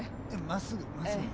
真っすぐ真っすぐね。